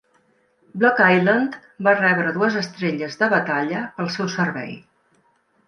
"Block Island" va rebre dues estrelles de batalla pel seu servei.